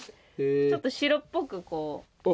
ちょっと白っぽくこう。